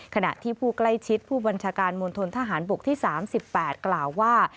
ขณะที่ผู้ใกล้ชิดผู้บัญชาการมณฑนทหารบกที่๓๘กล่าวว่า